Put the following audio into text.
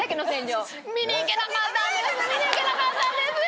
見に行けなかったんですよ。